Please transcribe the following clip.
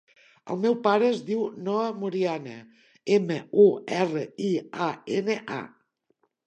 El meu pare es diu Noah Muriana: ema, u, erra, i, a, ena, a.